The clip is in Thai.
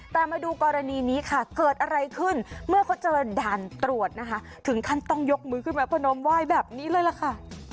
แต่มาดูกรณีนี้ค่ะเกิดอะไรขึ้นเมื่อเขาเจอด่านตรวจนะคะถึงขั้นต้องยกมือขึ้นมาพนมไหว้แบบนี้เลยล่ะค่ะ